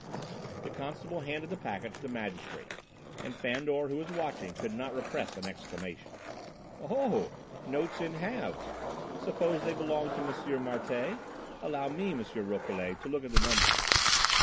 The constable handed the packet to the magistrate, and Fandor, who was watching, could not repress an exclamation. "Oh! Notes in halves! Suppose they belong to M. Martialle! Allow me, M. Rouquelet, to look at the numbers."